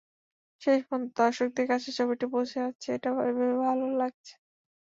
শেষ পর্যন্ত দর্শকদের কাছে ছবিটি পৌঁছে যাচ্ছে, এটা ভেবে ভালো লাগছে।